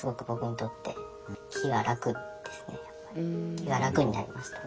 気が楽になりましたね。